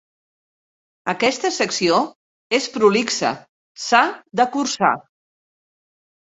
Aquesta secció és prolixa, s'ha d'acurçar.